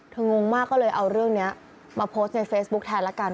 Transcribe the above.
งงมากก็เลยเอาเรื่องนี้มาโพสต์ในเฟซบุ๊คแทนละกัน